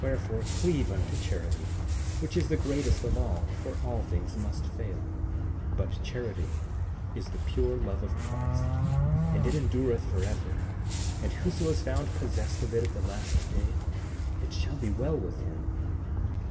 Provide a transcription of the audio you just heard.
Wherefore, cleave unto charity, which is the greatest of all, for all things must fail— 7:47 But charity is the pure love of Christ, and it endureth forever; and whoso is found possessed of it at the last day, it shall be well with him.